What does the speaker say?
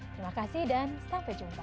terima kasih dan sampai jumpa